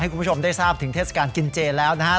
คุณผู้ชมได้ทราบถึงเทศกาลกินเจแล้วนะครับ